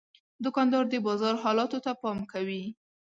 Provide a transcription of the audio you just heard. دوکاندار د بازار حالاتو ته پام کوي.